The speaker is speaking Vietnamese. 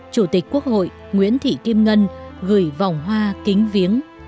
chủ tịch quốc hội nguyễn thị kim ngân gửi vòng hoa kính viếng